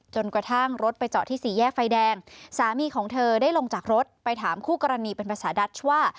กระทั่งรถไปเจาะที่สี่แยกไฟแดงสามีของเธอได้ลงจากรถไปถามคู่กรณีเป็นภาษาดัชว่า